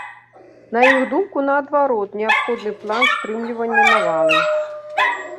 На іх думку, наадварот, неабходны план стрымлівання навалы.